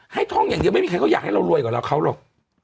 ท่องอย่างเดียวไม่มีใครเขาอยากให้เรารวยกว่าเราเขาหรอก